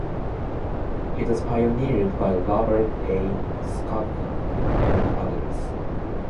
It was pioneered by Robert A. Schorton, and others.